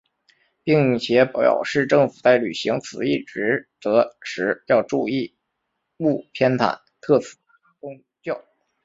并且表示政府在履行此一职责时要注意勿偏袒特定宗教。